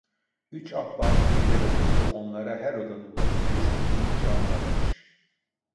Üç ahbabın elebaşısı onlara her odanın vazifesini iyice anlatmış.